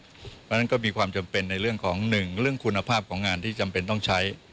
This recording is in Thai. เพราะฉะนั้นก็มีความจำเป็นในเรื่องของหนึ่งเรื่องคุณภาพของงานที่จำเป็นต้องใช้